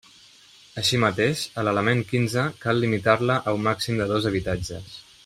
Així mateix, a l'element quinze cal limitar-la a un màxim de dos habitatges.